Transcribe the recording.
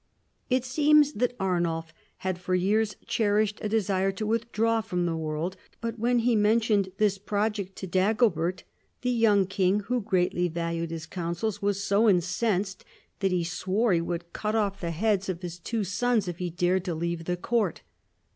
It seems that Arnulf had for years cherished a desire to withdraw from the world, but when he mentioned this project to Dagobert, the young king, who greatly valued his counsels, was so incensed that he swore that he would cut off the heads of his two EARLY MAYORS OF THE PALACE. 33 sons if he dared to leave the court.